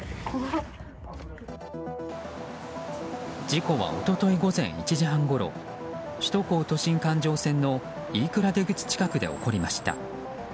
事故は、一昨日午前１時半ごろ首都高都心環状線の飯倉出口付近で起こりました。